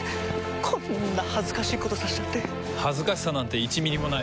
こんな恥ずかしいことさせちゃって恥ずかしさなんて１ミリもない。